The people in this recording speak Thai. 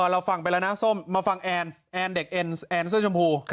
เราฟังไปแล้วนะส้มมาฟังแอนแอนเด็กเอ็นแอนเสื้อชมพู